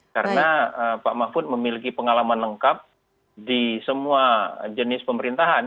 karena pak mahfud memiliki pengalaman lengkap di semua jenis pemerintahan